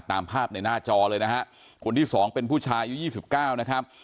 ตามภาพในหน้าจอเลยนะครับคนที่๒เป็นผู้ชายอยู่๒๙นะครับ